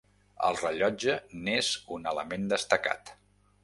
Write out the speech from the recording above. El rellotge n'és un element destacat.